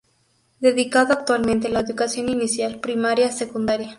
Dedicado actualmente la educación inicial, primaria, secundaria.